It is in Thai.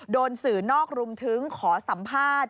สื่อนอกรุมถึงขอสัมภาษณ์